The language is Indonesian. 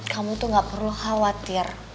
kamu tuh gak perlu khawatir